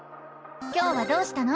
今日はどうしたの？